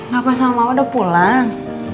gak apa apa udah pulang